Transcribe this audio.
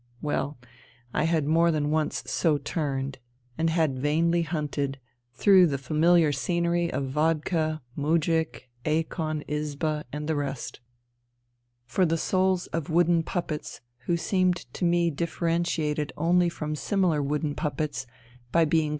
Well — I had more than once so turned ... and had vainly hunted, through the familiar scenery of vodka, moujik, eikon, izba, and the rest, for the souls of wooden puppets 5 6 PREFACE who seemed to me differentiated only from similar wooden puppets by being